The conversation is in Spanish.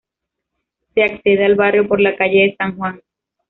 Se accede al barrio por la calle de San Juan.